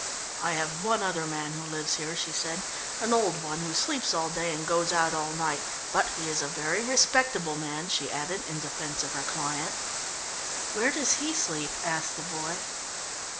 "I have one other man who lives here," she said. "An old one, who sleeps all day and goes out all night. But he is a very respectable man," she added in defence of her client. "Where does he sleep?" asked the boy.